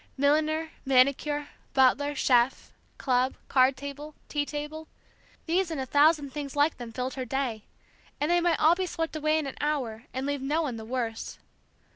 Milliner, manicure, butler, chef, club, card table, tea table, these and a thousand things like them filled her day, and they might all be swept away in an hour, and leave no one the worse.